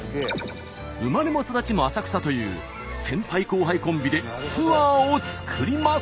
生まれも育ちも浅草という先輩後輩コンビでツアーを作ります。